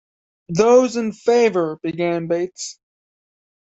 "Those in favour..." began Bates.